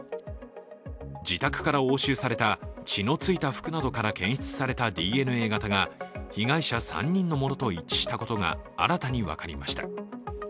自宅から押収された血のついた服などから検出されたＤＮＡ型が被害者３人のものと一致したことが新たに分かりました。